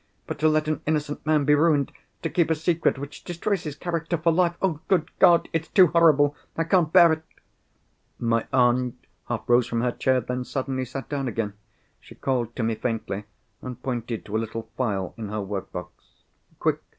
But to let an innocent man be ruined; to keep a secret which destroys his character for life—Oh, good God, it's too horrible! I can't bear it!" My aunt half rose from her chair, then suddenly sat down again. She called to me faintly, and pointed to a little phial in her work box. "Quick!"